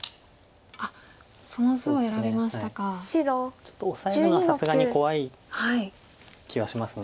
ちょっとオサえるのはさすがに怖い気はします。